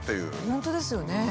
本当ですよね。